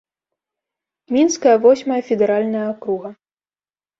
Мінская восьмая федэральная акруга.